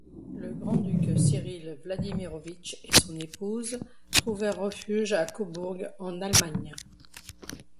Le grand-duc Cyrille Vladimirovitch et son épouse trouvèrent refuge à Cobourg en Allemagne.